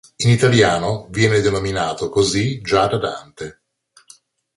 In italiano viene denominato così già da Dante.